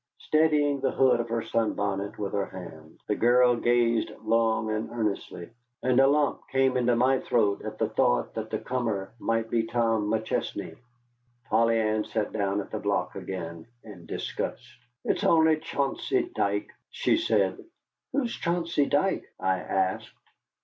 Steadying the hood of her sunbonnet with her hand, the girl gazed long and earnestly, and a lump came into my throat at the thought that the comer might be Tom McChesney. Polly Ann sat down at the block again in disgust. "It's only Chauncey Dike," she said. "Who's Chauncey Dike?" I asked.